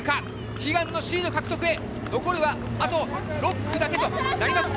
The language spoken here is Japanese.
悲願のシード獲得へ、残りはあと６区だけとなります。